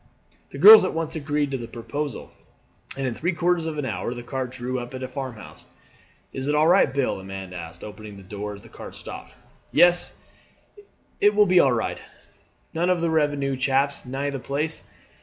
The girls at once agreed to the proposal, and in three quarters of an hour the cart drew up at a farmhouse. "Is it all right, Bill?" a man asked, opening the door as the cart stopped. "Yes, it be all right. Not one of them revenue chaps nigh the place.